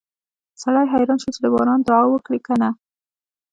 سړی حیران شو چې د باران دعا وکړي که نه